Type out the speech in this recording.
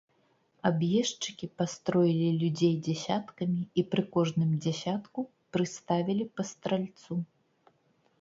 Аб'ездчыкі пастроілі людзей дзясяткамі і пры кожным дзясятку прыставілі па стральцу.